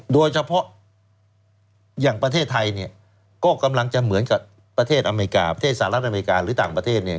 โดยเฉพาะอย่างประเทศไทยเนี่ยก็กำลังจะเหมือนกับประเทศอเมริกาประเทศสหรัฐอเมริกาหรือต่างประเทศเนี่ย